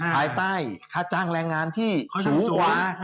ภายใต้ค่าจ้างแรงงานที่สูงกว่า